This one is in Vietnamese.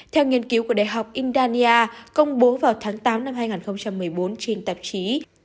theo nghiên cứu của đại học inddania công bố vào tháng tám năm hai nghìn một mươi bốn trên tạp chí